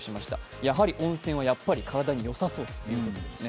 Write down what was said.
やはり温泉は体によさそうということですね。